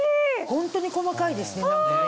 ホントに細かいですね。